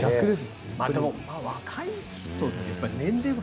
でも、若い人って年齢が。